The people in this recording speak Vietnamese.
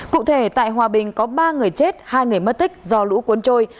cụ thể tại hòa bình có ba người chết hai người mất tích do lũ cuốn trôi